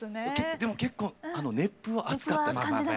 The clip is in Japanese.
でも結構熱風は熱かったです。